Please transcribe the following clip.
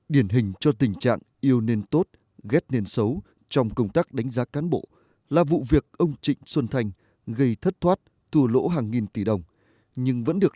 điển hình cho tình trạng yêu nên tốt ghét nên xấu trong công tác đánh giá cán bộ là vụ việc